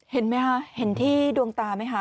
เห็นไหมคะเห็นที่ดวงตาไหมคะ